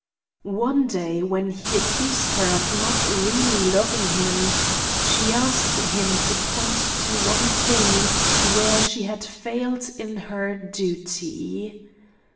One day when he accused her of not really loving him, she asked him to point to one thing where she had failed in her 'duty.'